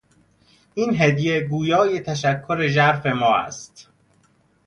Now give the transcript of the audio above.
این هدیه گویای تشکر ژرف ما است.